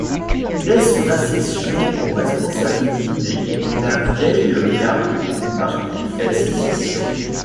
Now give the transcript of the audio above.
Dès son accession aux responsabilités, la vieille garde du parti fait sécession.